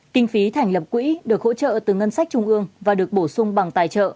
kinh phí thành lập quỹ được hỗ trợ từ ngân sách trung ương và được bổ sung bằng tài trợ